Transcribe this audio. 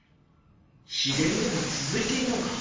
日照りでも続いているのか？